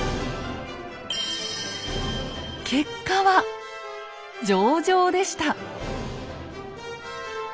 結果は上々でした。